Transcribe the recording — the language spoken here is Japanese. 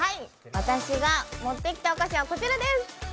私が持ってきたお菓子はこちらです。